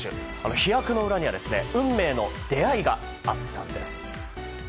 飛躍の裏には運命の出会いがあったんです。